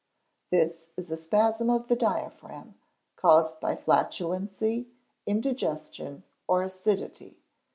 This is a spasm of the diaphragm, caused by flatulency, indigestion, or acidity.